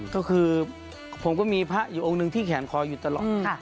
ก็คือผมก็มีพระอยู่องค์หนึ่งที่แขนคออยู่ตลอด